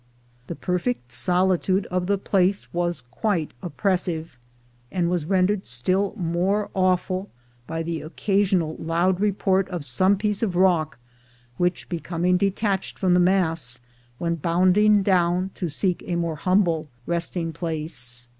The perfect solitude of the place was quite oppressive, and was rendered still more awful by the occasional loud report of some piece of rock, which, becoming detached from the mass, went bounding down to seek a more humble resting place.